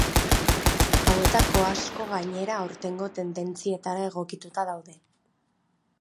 Hauetako asko gainera aurtengo tendentzietara egokituta daude.